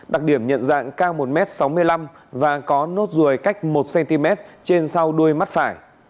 đặc điểm nhận dạng cao một m sáu mươi năm và có nốt ruồi cách một cm trên sau đuôi mắt phải